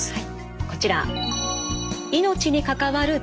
こちら。